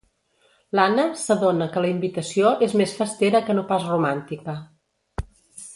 L'Anna s'adona que la invitació és més festera que no pas romàntica.